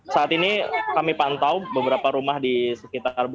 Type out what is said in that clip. saat ini kami pantau beberapa rumah di sekitar